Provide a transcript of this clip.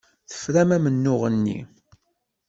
Tefram amennuɣ-nni.